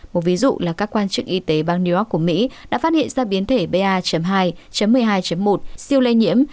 một ví dụ là các quan chức y tế bang new york của mỹ đã phát hiện ra biến thể ba hai một mươi hai một siêu lây nhiễm